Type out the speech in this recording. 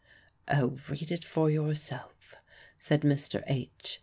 "O, read it for yourself," said Mr. H.